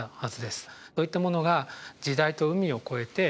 そういったものが時代と海をこえて渡っていった。